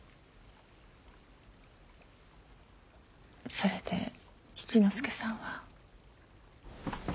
それで七之助さんは？